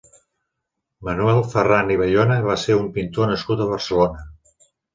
Manuel Ferran i Bayona va ser un pintor nascut a Barcelona.